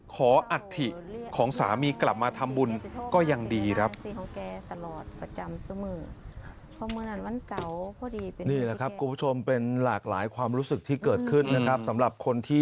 อัฐิของสามีกลับมาทำบุญก็ยังดีครับ